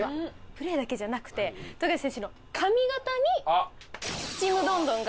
プレーだけじゃなくて富樫選手の髪型にちむどんどんが隠されてるんです。